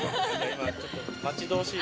今ちょっと待ち遠しい？